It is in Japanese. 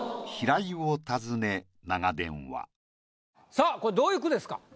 さぁこれどういう句ですか？